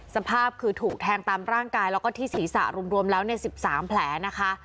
สภาพคือถูกแทงตามร่างกายแล้วก็ที่ศีรษะรวมแล้ว๑๓แผลนะคะ